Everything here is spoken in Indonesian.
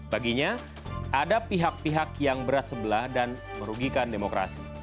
baginya ada pihak pihak yang berat sebelah dan merugikan demokrasi